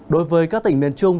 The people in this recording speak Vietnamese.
đối với các tỉnh miền trung